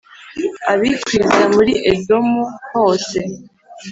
abikwiza muri Edomu hose.